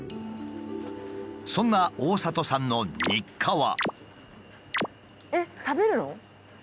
そんな大里さんの日課は。